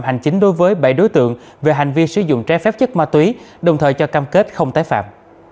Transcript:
hành chính đối với bảy đối tượng về hành vi sử dụng trái phép chất ma túy đồng thời cho cam kết không tái phạm